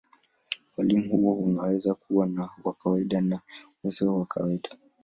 Ualimu huo unaweza kuwa wa kawaida na usio wa kawaida.